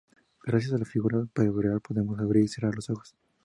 Gracias a la fisura palpebral podemos abrir y cerrar los ojos.